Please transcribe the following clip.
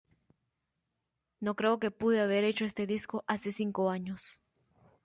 No creo que pude haber hecho este disco hace cinco años.